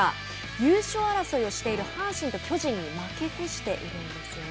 優勝争いをしている阪神と巨人に負け越しているんですね。